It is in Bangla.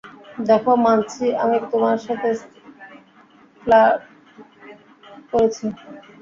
দেখো, মানছি আমি তোমার সাথে ফ্লার্ট করেছি।